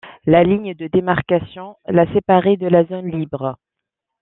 La ligne de démarcation la séparait de la zone libre.